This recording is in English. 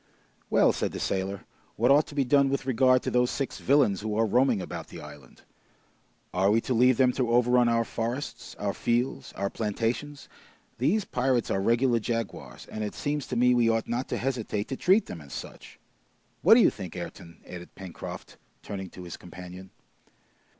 "Well," said the sailor, "what ought to be done with regard to those six villains who are roaming about the island? Are we to leave them to overrun our forests, our fields, our plantations? These pirates are regular jaguars, and it seems to me we ought not to hesitate to treat them as such! What do you think, Ayrton?" added Pencroft, turning to his companion.